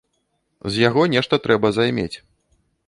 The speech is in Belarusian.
З яго нешта трэба займець.